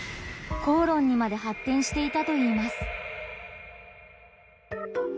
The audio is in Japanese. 口論にまで発展していたといいます。